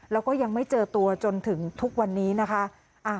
แล้วก็ยังไม่เจอตัวจนถึงทุกวันนี้นะคะ